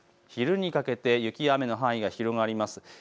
昼にかけて雪や雨の範囲が広がります。